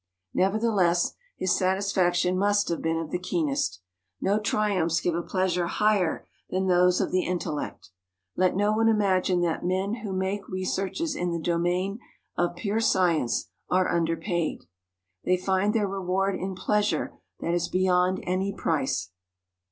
Nevertheless, his satisfaction must have been of the keenest. No triumphs give a pleasure higher than those of the intellect. Let no one imagine that men who make researches in the domain of pure science are under paid. They find their reward in pleasure that is beyond any price.